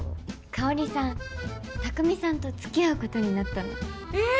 香さん卓海さんと付き合うことになったの。え！